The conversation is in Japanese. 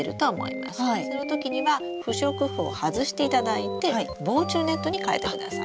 そのときには不織布を外していただいて防虫ネットに替えてください。